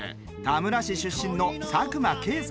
田村市出身の佐久間啓介さん。